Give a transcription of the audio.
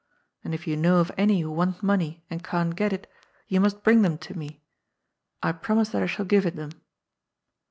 And if you know of any who want money and can't get it, you must bring them to me. I promise that I shall give it them."